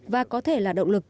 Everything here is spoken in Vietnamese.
và có thể là động lực